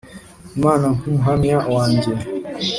imana nkumuhamya wanjye.